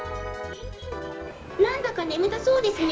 なんだか眠たそうですね。